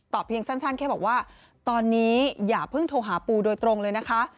เพียงสั้นแค่บอกว่าตอนนี้อย่าเพิ่งโทรหาปูโดยตรงเลยนะคะ